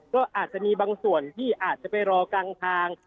ก็อาจจะมีบางส่วนที่อาจจะไปรอกลางทาง